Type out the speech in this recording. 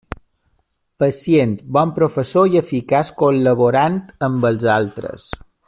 Pacient, bon professor, i eficaç col·laborant amb els altres.